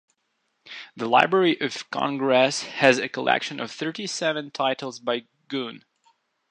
The Library of Congress has a collection of thirty-seven titles by Goon.